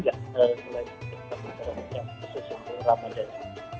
yang khusus untuk ramadan